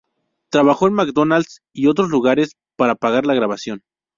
Trabajó en McDonalds y otros lugares para pagar la grabación.